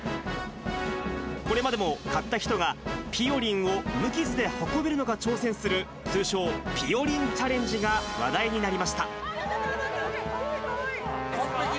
これまでも、買った人がぴよりんを無傷で運べるのか挑戦する、通称、ぴよりんチャレンジが話題になりました。